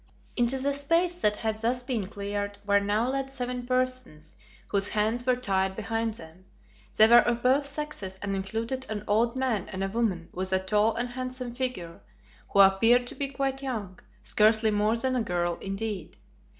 Into the space that had thus been cleared were now led seven persons, whose hands were tied behind them. They were of both sexes and included an old man and a woman with a tall and handsome figure, who appeared to be quite young, scarcely more than a girl indeed.